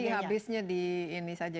tapi habisnya di ini saja